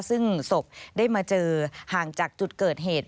ซึ่งศพได้มาเจอห่างจากจุดเกิดเหตุ